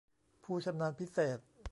ผู้ชำนาญพิเศษ